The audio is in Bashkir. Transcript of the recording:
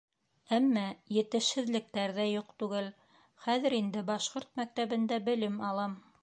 Әммә етешһеҙлектәр ҙә юҡ түгел. Хәҙер инде башҡорт мәктәбендә белем алам.